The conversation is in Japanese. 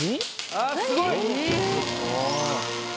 あっすごい。